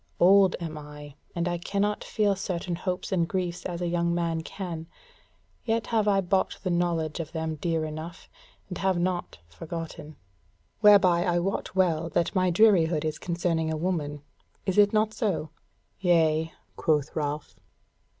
Old am I, and I cannot feel certain hopes and griefs as a young man can; yet have I bought the knowledge of them dear enough, and have not forgotten. Whereby I wot well that my drearihead is concerning a woman. Is it not so?" "Yea," quoth Ralph.